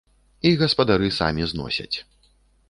І гаспадары самі зносяць.